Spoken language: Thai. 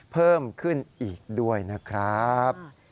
เพิ่มขึ้นอีกด้วยนะครับ